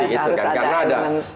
iya pasti karena ada